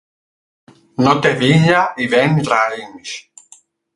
No té vinya i ven raïms.